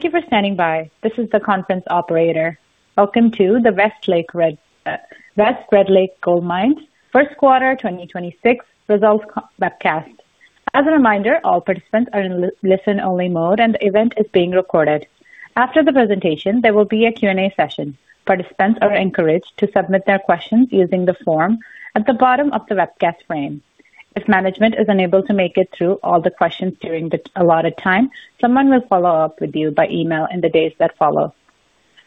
Thank you for standing by. This is the conference operator. Welcome to the West Red Lake Gold Mines first quarter 2026 results webcast. As a reminder, all participants are in listen-only mode, and the event is being recorded. After the presentation, there will be a Q&A session. Participants are encouraged to submit their questions using the form at the bottom of the webcast frame. If management is unable to make it through all the questions during the allotted time, someone will follow up with you by email in the days that follow.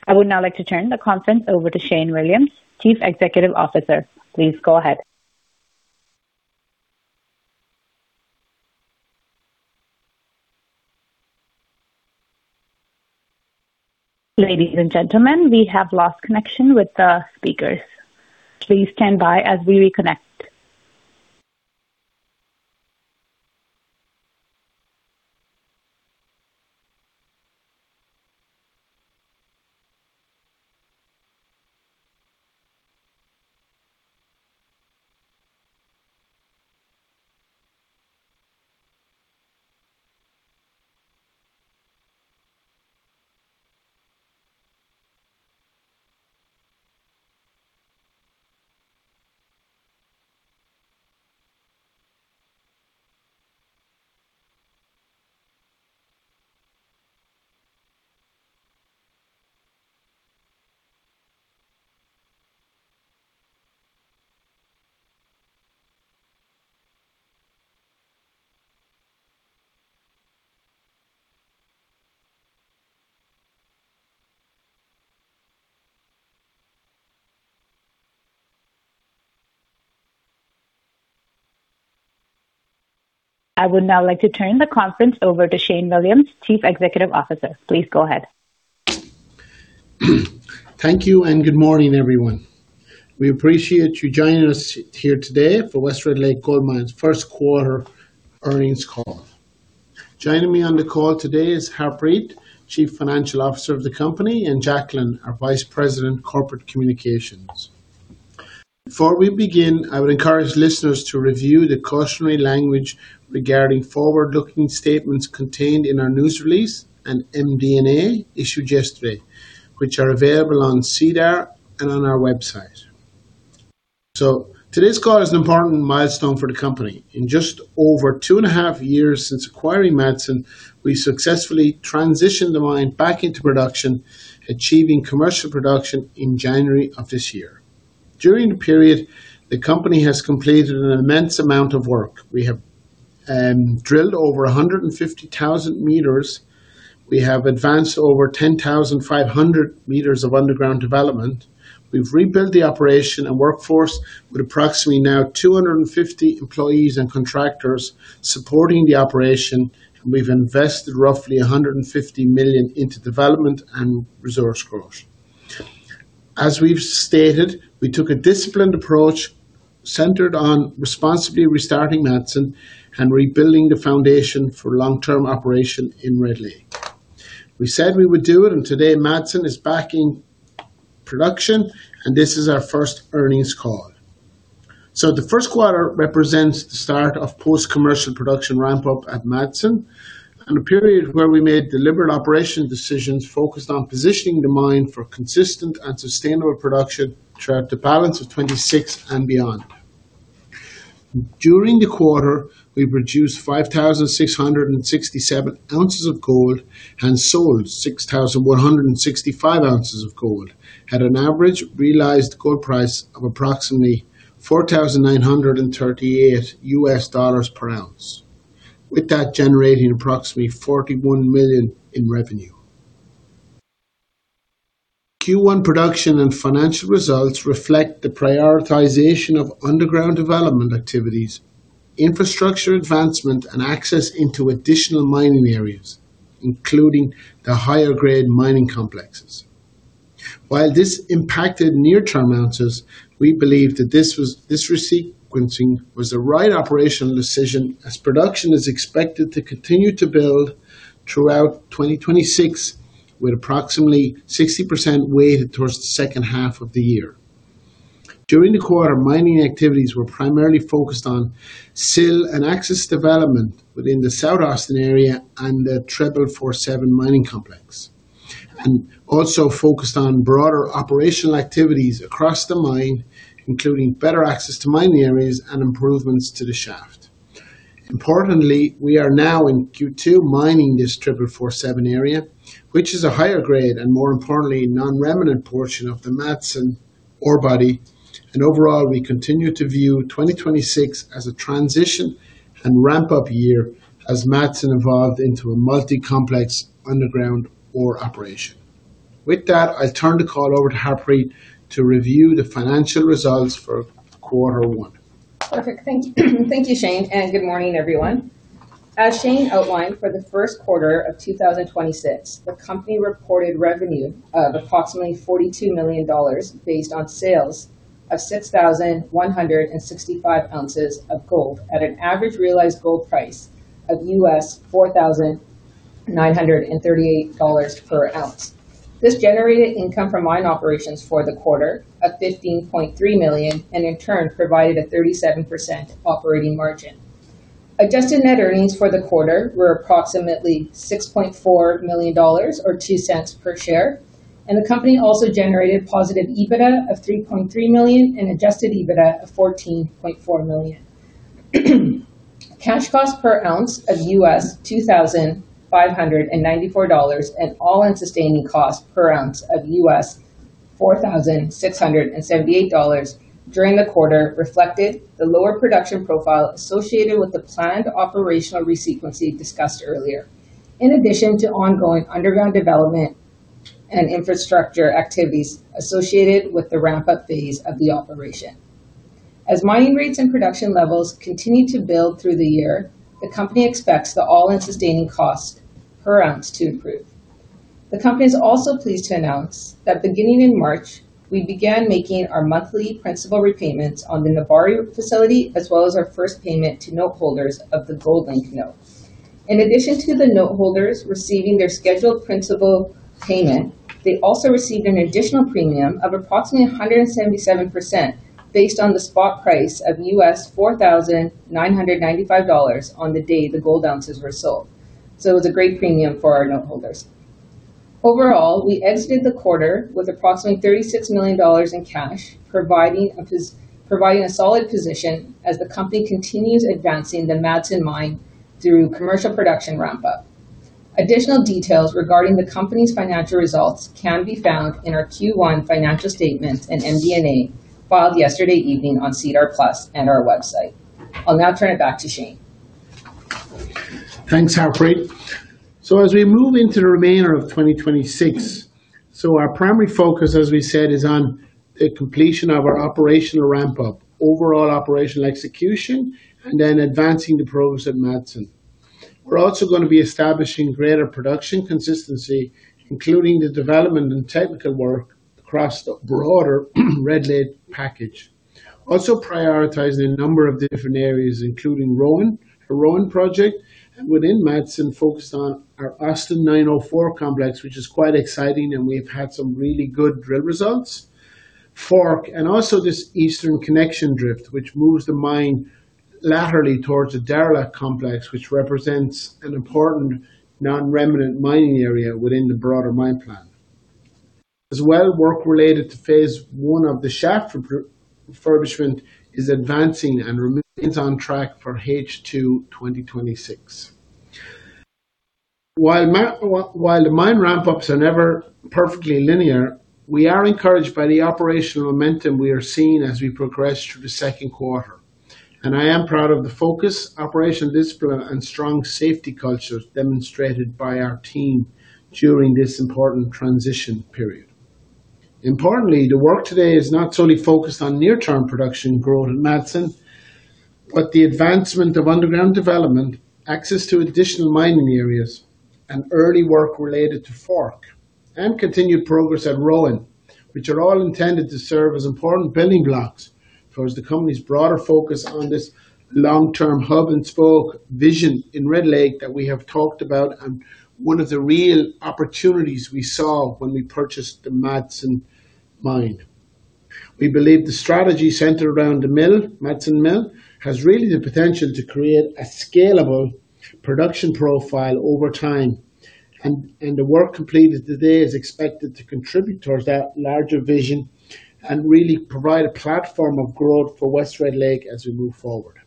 I would now like to turn the conference over to Shane Williams, Chief Executive Officer. Please go ahead. Ladies and gentlemen, we have lost connection with the speakers. Please stand by as we reconnect. I would now like to turn the conference over to Shane Williams, Chief Executive Officer. Please go ahead. Thank you and good morning, everyone. We appreciate you joining us here today for West Red Lake Gold Mines' first quarter earnings call. Joining me on the call today is Harpreet, Chief Financial Officer of the company, and Jaclyn, our Vice President of Corporate Communications. Before we begin, I would encourage listeners to review the cautionary language regarding forward-looking statements contained in our news release and MD&A issued yesterday, which are available on SEDAR+ and on our website. Today's call is an important milestone for the company. In just over two and a half years since acquiring Madsen, we successfully transitioned the mine back into production, achieving commercial production in January of this year. During the period, the company has completed an immense amount of work. We have drilled over 150,000 meters. We have advanced over 10,500 meters of underground development. We've rebuilt the operation and workforce with approximately now 250 employees and contractors supporting the operation. We've invested roughly $150 million into development and resource growth. As we've stated, we took a disciplined approach centered on responsibly restarting Madsen and rebuilding the foundation for long-term operation in Red Lake. We said we would do it. Today Madsen is back in production. This is our first earnings call. The first quarter represents the start of post-commercial production ramp-up at Madsen and a period where we made deliberate operation decisions focused on positioning the mine for consistent and sustainable production throughout the balance of 2026 and beyond. During the quarter, we produced 5,667 ounces of gold and sold 6,165 ounces of gold at an average realized gold price of approximately $4,938 per ounce. With that generating approximately 42 million in revenue. Q1 production and financial results reflect the prioritization of underground development activities, infrastructure advancement, and access into additional mining areas, including the higher-grade mining complexes. While this impacted near-term ounces, we believe that this resequencing was the right operational decision as production is expected to continue to build throughout 2026, with approximately 60% weighted towards the second half of the year. During the quarter, mining activities were primarily focused on sill and access development within the South Austin area and the 4447 mining complex, and also focused on broader operational activities across the mine, including better access to mining areas and improvements to the shaft. Importantly, we are now in Q2 mining this 4447 area, which is a higher grade and more importantly, non-remnant portion of the Madsen ore body. Overall, we continue to view 2026 as a transition and ramp-up year as Madsen evolved into a multi-complex underground ore operation. With that, I turn the call over to Harpreet to review the financial results for Q1. Perfect. Thank you, Shane, and good morning, everyone. As Shane outlined, for the first quarter of 2026, the company reported revenue of approximately 42 million dollars based on sales of 6,165 ounces of gold at an average realized gold price of $4,938 per ounce. This generated income from mine operations for the quarter of 15.3 million and in turn provided a 37% operating margin. Adjusted net earnings for the quarter were approximately 6.4 million dollars, or 0.02 per share. The company also generated positive EBITDA of 3.3 million and adjusted EBITDA of 14.4 million. Cash cost per ounce of $2,594 and All-In Sustaining Cost per ounce of $4,678 during the quarter reflected the lower production profile associated with the planned operational resequencing discussed earlier, in addition to ongoing underground development and infrastructure activities associated with the ramp-up phase of the operation. As mining rates and production levels continue to build through the year, the company expects the All-In Sustaining Cost per ounce to improve. The company is also pleased to announce that beginning in March, we began making our monthly principal repayments on the Nebari facility, as well as our first payment to note holders of the gold-linked notes. In addition to the note holders receiving their scheduled principal payment, they also received an additional premium of approximately 177%, based on the spot price of $4,995 on the day the gold ounces were sold. It was a great premium for our note holders. Overall, we exited the quarter with approximately $36 million in cash, providing a solid position as the company continues advancing the Madsen Mine through commercial production ramp-up. Additional details regarding the company's financial results can be found in our Q1 financial statement and MD&A filed yesterday evening on SEDAR+ and our website. I'll now turn it back to Shane. Thanks, Harpreet. As we move into the remainder of 2026, our primary focus, as we said, is on the completion of our operational ramp-up, overall operational execution, and advancing the progress at Madsen. We're also going to be establishing greater production consistency, including the development and technical work across the broader Red Lake package. Also prioritizing a number of different areas, including Rowan. The Rowan project within Madsen focused on our Austin 904 complex, which is quite exciting, and we've had some really good drill results. Fork, and also this eastern connection drift, which moves the mine laterally towards the Derlak complex, which represents an important non-remnant mining area within the broader mine plan. As well, work related to phase one of the shaft refurbishment is advancing and remains on track for H2 2026. While mine ramp-ups are never perfectly linear, we are encouraged by the operational momentum we are seeing as we progress through the second quarter. I am proud of the focus, operational discipline and strong safety culture demonstrated by our team during this important transition period. Importantly, the work today is not solely focused on near-term production growth at Madsen, but the advancement of underground development, access to additional mining areas, and early work related to Fork and continued progress at Rowan, which are all intended to serve as important building blocks towards the company's broader focus on this long-term hub-and-spoke vision in Red Lake that we have talked about and one of the real opportunities we saw when we purchased the Madsen Mine. We believe the strategy centered around the mill, Madsen Mill, has really the potential to create a scalable production profile over time, and the work completed today is expected to contribute towards that larger vision and really provide a platform of growth for West Red Lake as we move forward.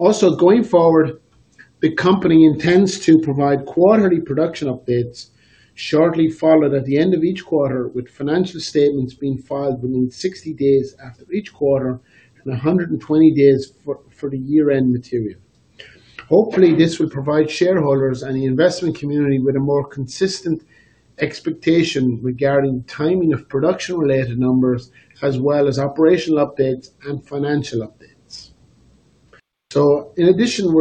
Also going forward, the company intends to provide quarterly production updates shortly followed at the end of each quarter, with financial statements being filed within 60 days after each quarter and 120 days for the year-end material. Hopefully, this will provide shareholders and the investment community with a more consistent expectation regarding timing of production-related numbers as well as operational updates and financial updates. In addition,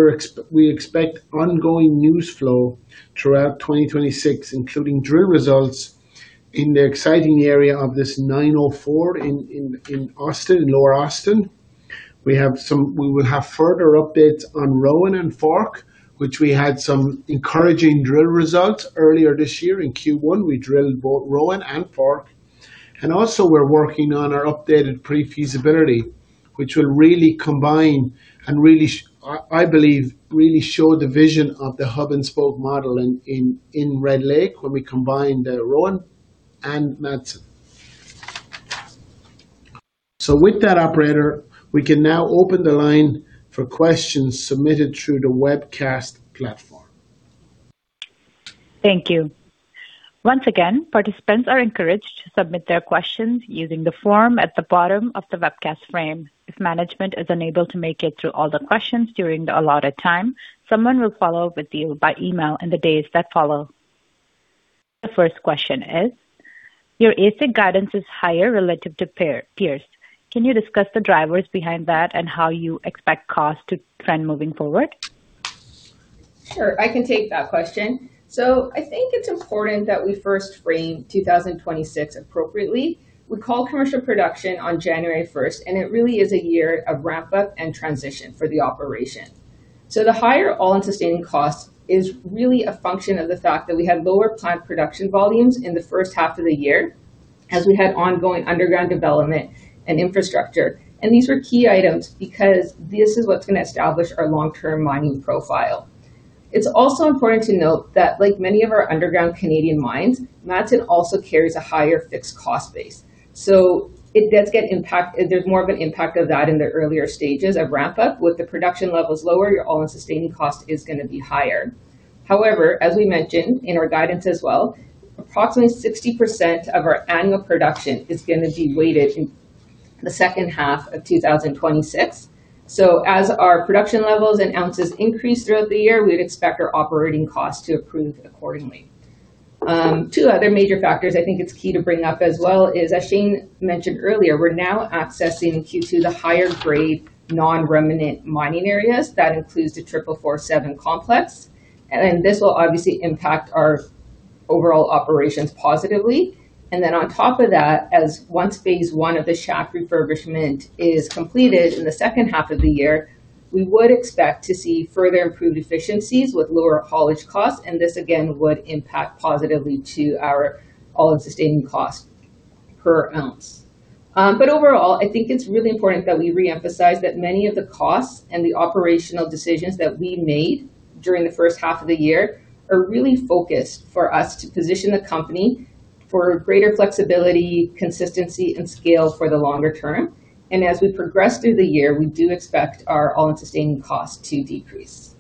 we expect ongoing news flow throughout 2026, including drill results in the exciting area of this 904 in Austin, Lower Austin. We will have further updates on Rowan and Fork, which we had some encouraging drill results earlier this year in Q1. We drilled both Rowan and Fork. Also we're working on our updated pre-feasibility, which will really combine and, I believe, really show the vision of the hub-and-spoke model in Red Lake when we combine the Rowan and Madsen. With that, operator, we can now open the line for questions submitted through the webcast platform. Thank you. Once again, participants are encouraged to submit their questions using the form at the bottom of the webcast frame. If management is unable to make it through all the questions during the allotted time, someone will follow up with you by email in the days that follow. The first question is, "Your AISC guidance is higher relative to peers. Can you discuss the drivers behind that and how you expect cost to trend moving forward? Sure, I can take that question. I think it's important that we first frame 2026 appropriately. We called commercial production on January 1st, and it really is a year of ramp-up and transition for the operation. The higher All-In Sustaining Cost is really a function of the fact that we had lower plant production volumes in the first half of the year as we had ongoing underground development and infrastructure. These were key items because this is what's going to establish our long-term mining profile. It's also important to note that like many of our underground Canadian mines, Madsen also carries a higher fixed cost base. There's more of an impact of that in the earlier stages of ramp-up. With the production levels lower, your All-In Sustaining Cost is going to be higher. However, as we mentioned in our guidance as well, approximately 60% of our annual production is going to be weighted in the second half of 2026. As our production levels and ounces increase throughout the year, we'd expect our operating costs to improve accordingly. Two other major factors I think it's key to bring up as well is, as Shane mentioned earlier, we're now accessing Q2, the higher grade, non-remnant mining areas. That includes the 4447 complex. This will obviously impact our overall operations positively. On top of that, as once phase one of the shaft refurbishment is completed in the second half of the year, we would expect to see further improved efficiencies with lower haulage costs, and this again, would impact positively to our All-In Sustaining Cost per ounce. Overall, I think it's really important that we reemphasize that many of the costs and the operational decisions that we made during the first half of the year are really focused for us to position the company for greater flexibility, consistency, and scale for the longer term. As we progress through the year, we do expect our All-In Sustaining Costs to decrease.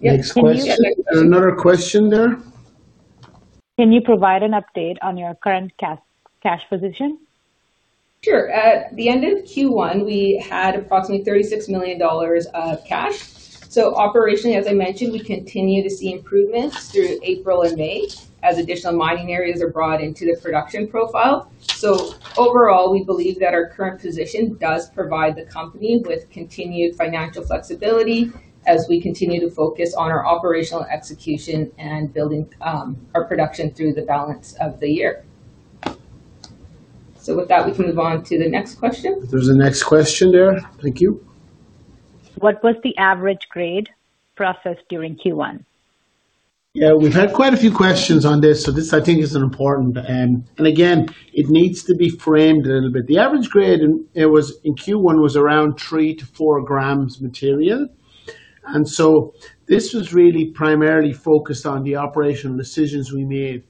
Next question. Another question there? Can you provide an update on your current cash position? At the end of Q1, we had approximately 36 million dollars of cash. Operationally, as I mentioned, we continue to see improvements through April and May as additional mining areas are brought into the production profile. Overall, we believe that our current position does provide the company with continued financial flexibility as we continue to focus on our operational execution and building our production through the balance of the year. With that, we can move on to the next question. There's a next question there. Thank you. What was the average grade processed during Q1? Yeah. We've had quite a few questions on this, so this I think is an important. Again, it needs to be framed a little bit. The average grade in Q1 was around three to four grams material, this was really primarily focused on the operational decisions we made.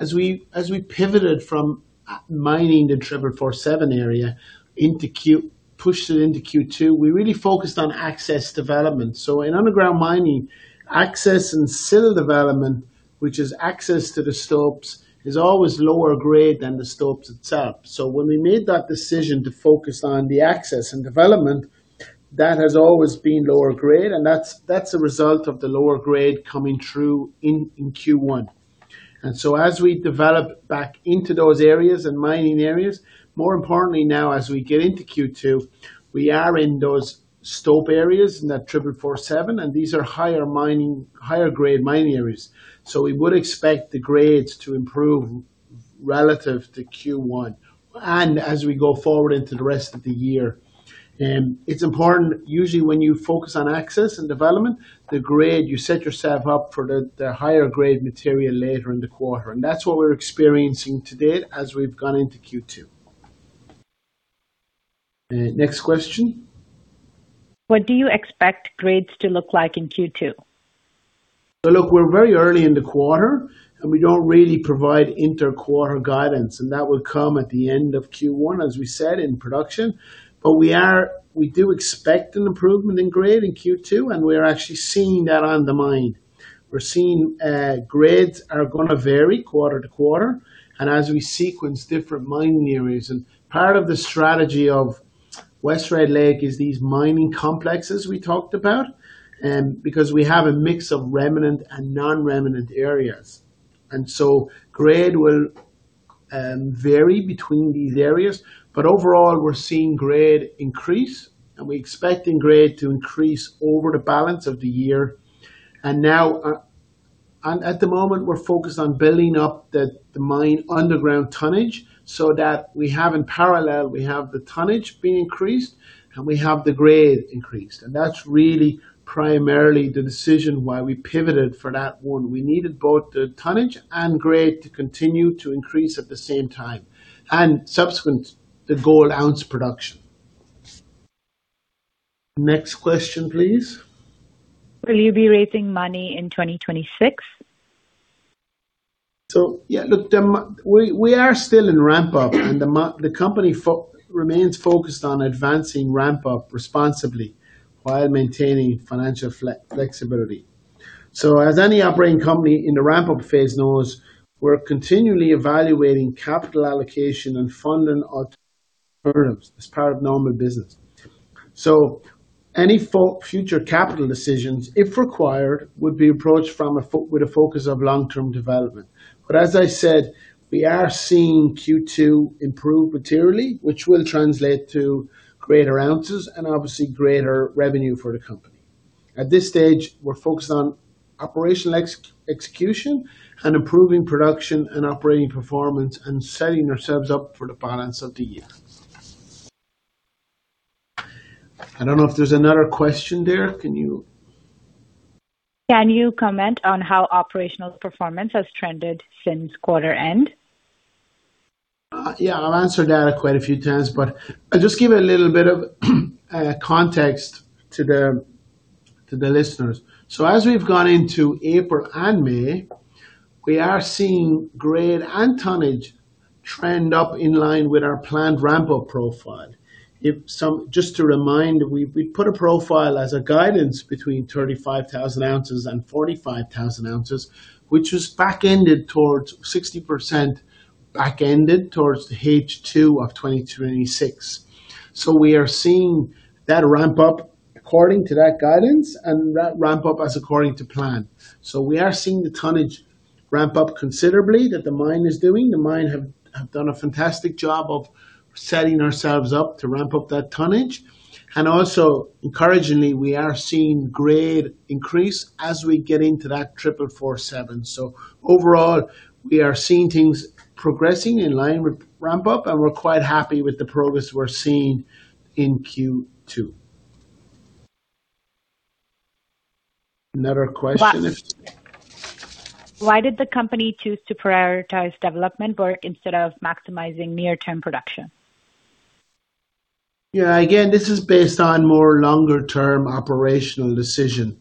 As we pivoted from mining the 4447 area, pushed it into Q2, we really focused on access development. In underground mining, access and sill development, which is access to the stopes, is always lower grade than the stopes itself. When we made that decision to focus on the access and development, that has always been lower grade, and that's a result of the lower grade coming through in Q1. As we develop back into those areas and mining areas, more importantly now as we get into Q2, we are in those stope areas in that 4447 complex, and these are higher grade mining areas. We would expect the grades to improve relative to Q1 and as we go forward into the rest of the year. It's important, usually when you focus on access and development, the grade you set yourself up for the higher grade material later in the quarter. That's what we're experiencing to date as we've gone into Q2. Next question. What do you expect grades to look like in Q2? Look, we're very early in the quarter, and we don't really provide inter-quarter guidance, and that will come at the end of Q1, as we said, in production. We do expect an improvement in grade in Q2, and we are actually seeing that on the mine. We're seeing grades are going to vary quarter to quarter and as we sequence different mining areas. Part of the strategy of West Red Lake is these mining complexes we talked about, because we have a mix of remnant and non-remnant areas. Grade will vary between these areas. Overall, we're seeing grade increase, and we're expecting grade to increase over the balance of the year. At the moment, we're focused on building up the mine underground tonnage so that we have in parallel, we have the tonnage being increased, and we have the grade increased. That's really primarily the decision why we pivoted for that one. We needed both the tonnage and grade to continue to increase at the same time, and subsequent, the gold ounce production. Next question, please. Will you be raising money in 2026? Yeah, look, we are still in ramp-up, and the company remains focused on advancing ramp-up responsibly while maintaining financial flexibility. As any operating company in the ramp-up phase knows, we're continually evaluating capital allocation and funding alternatives as part of normal business. Any future capital decisions, if required, would be approached with a focus of long-term development. As I said, we are seeing Q2 improve materially, which will translate to greater ounces and obviously greater revenue for the company. At this stage, we're focused on operational execution and improving production and operating performance and setting ourselves up for the balance of the year. I don't know if there's another question there. Can you? Can you comment on how operational performance has trended since quarter end? I've answered that quite a few times, but I'll just give a little bit of context to the listeners. As we've gone into April and May, we are seeing grade and tonnage trend up in line with our planned ramp-up profile. Just to remind, we put a profile as a guidance between 35,000 ounces and 45,000 ounces, which was back-ended towards 60%, back-ended towards the H2 of 2026. We are seeing that ramp up according to that guidance and that ramp up as according to plan. We are seeing the tonnage ramp up considerably that the mine is doing. The mine have done a fantastic job of setting ourselves up to ramp up that tonnage. Also, encouragingly, we are seeing grade increase as we get into that 4447 complex. Overall, we are seeing things progressing in line with ramp-up, and we're quite happy with the progress we're seeing in Q2. Another question. Why did the company choose to prioritize development work instead of maximizing near-term production? Yeah, again, this is based on more longer-term operational decision.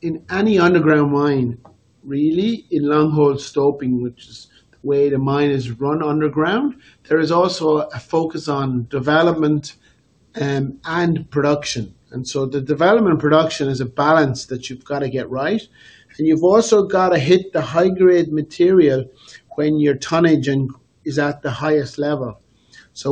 In any underground mine, really, in longhole stoping, which is the way the mine is run underground, there is also a focus on development and production. The development production is a balance that you've got to get right. You've also got to hit the high-grade material when your tonnage is at the highest level.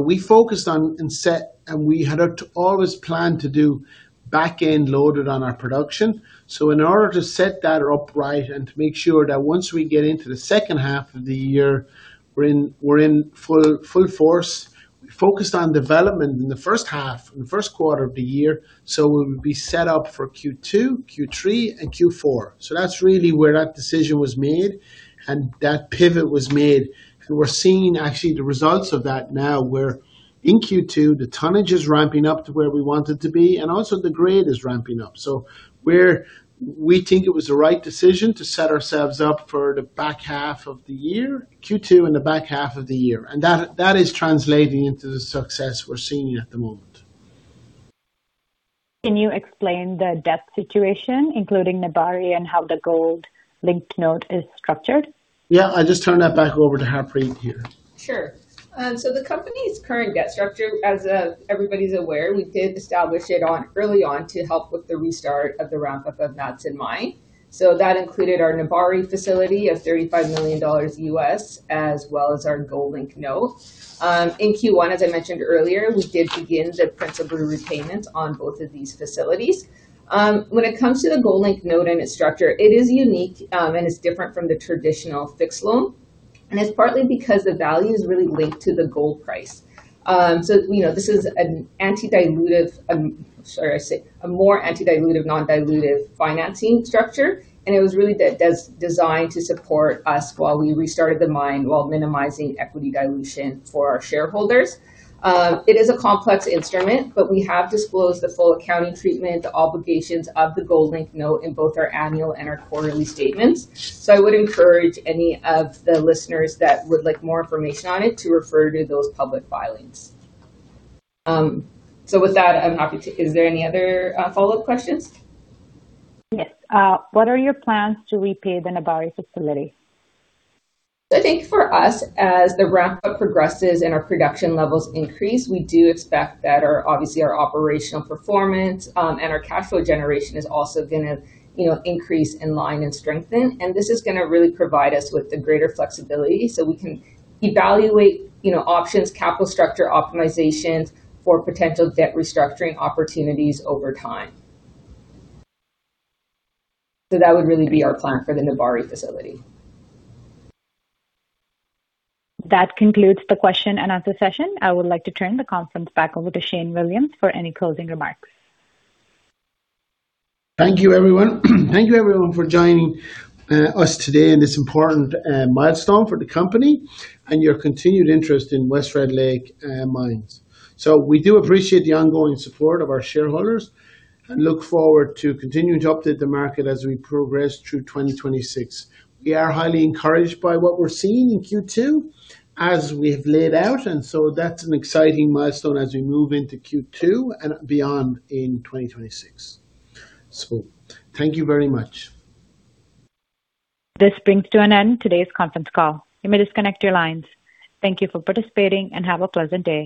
We focused on and set, and we had to always plan to do back-end loaded on our production. In order to set that up right and to make sure that once we get into the second half of the year, we're in full force, we focused on development in the first half, in the first quarter of the year, so we would be set up for Q2, Q3, and Q4. That's really where that decision was made and that pivot was made. We're seeing actually the results of that now where in Q2, the tonnage is ramping up to where we want it to be, and also the grade is ramping up. We think it was the right decision to set ourselves up for the back half of the year, Q2 and the back half of the year. That is translating into the success we're seeing at the moment. Can you explain the debt situation, including Nebari and how the gold-linked note is structured? Yeah, I'll just turn that back over to Harpreet here. Sure. The company's current debt structure, as everybody's aware, we did establish it early on to help with the restart of the ramp-up of Madsen Mine. That included our Nebari facility of $35 million, as well as our gold-linked note. In Q1, as I mentioned earlier, we did begin the principal repayments on both of these facilities. When it comes to the gold-linked note and its structure, it is unique and it's different from the traditional fixed loan, and it's partly because the value is really linked to the gold price. This is a more anti-dilutive, non-dilutive financing structure, and it was really designed to support us while we restarted the mine while minimizing equity dilution for our shareholders. It is a complex instrument, but we have disclosed the full accounting treatment, the obligations of the gold-linked note in both our annual and our quarterly statements. I would encourage any of the listeners that would like more information on it to refer to those public filings. With that, I'm happy to. Is there any other follow-up questions? Yes. What are your plans to repay the Nebari facility? I think for us, as the ramp-up progresses and our production levels increase, we do expect that obviously our operational performance and our cash flow generation is also going to increase in line and strengthen. This is going to really provide us with the greater flexibility so we can evaluate options, capital structure optimizations for potential debt restructuring opportunities over time. That would really be our plan for the Nebari facility. That concludes the question and answer session. I would like to turn the conference back over to Shane Williams for any closing remarks. Thank you, everyone. Thank you everyone for joining us today in this important milestone for the company and your continued interest in West Red Lake Gold Mines. We do appreciate the ongoing support of our shareholders and look forward to continuing to update the market as we progress through 2026. We are highly encouraged by what we're seeing in Q2, as we have laid out, and so that's an exciting milestone as we move into Q2 and beyond in 2026. Thank you very much. This brings to an end today's conference call. You may disconnect your lines. Thank you for participating and have a pleasant day.